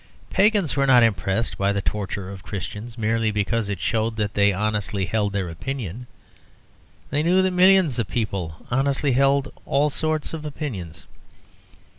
Pagans were not impressed by the torture of Christians merely because it showed that they honestly held their opinion; they knew that millions of people honestly held all sorts of opinions.